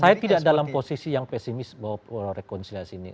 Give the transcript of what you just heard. saya tidak dalam posisi yang pesimis bahwa rekonsiliasi ini